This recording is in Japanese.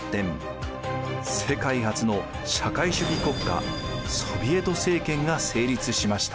世界初の社会主義国家ソヴィエト政権が成立しました。